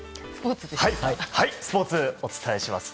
スポーツお伝えします。